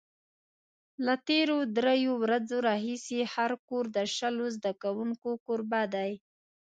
له تېرو درېیو ورځو راهیسې هر کور د شلو زده کوونکو کوربه دی.